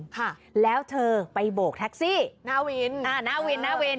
ค่ะแล้วเธอไปโบกแท็กซี่หน้าวินอ่าหน้าวินหน้าวิน